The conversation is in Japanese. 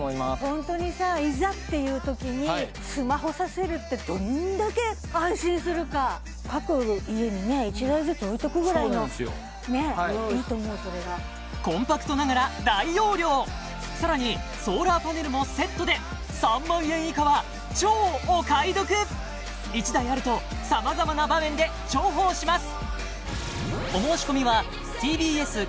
ホントにさいざっていうときにスマホさせるってどんだけ安心するか各家にね１台ずつ置いとくぐらいのねえいいと思うそれがコンパクトながら大容量さらにソーラーパネルもセットで３万円以下は超お買い得１台あるとさまざまな場面で重宝します